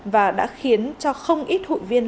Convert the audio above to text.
và đã khiến cho không ít hụi viên